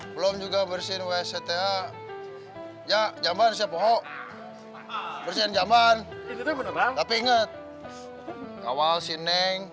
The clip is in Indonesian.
belum juga bersin wc teh ya jamban siap ho bersihin jamban tapi inget awal sineng